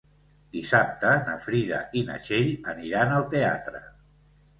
Dissabte na Frida i na Txell aniran al teatre.